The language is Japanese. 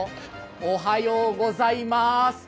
おはようございます。